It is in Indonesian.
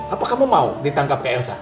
apa kamu mau ditangkap ke elsa